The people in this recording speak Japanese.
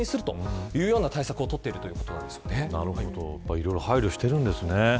いろいろ配慮しているんですね